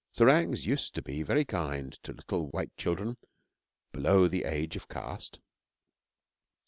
Serangs used to be very kind to little white children below the age of caste.